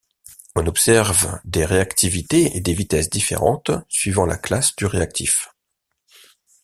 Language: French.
On observe des réactivités et des vitesses différentes suivant la classe du réactif.